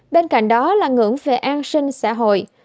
bên cạnh đó là ngưỡng về an sinh xã hội